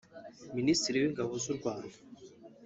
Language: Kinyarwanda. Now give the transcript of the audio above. Minisitiri w’Ingabo z’u Rwanda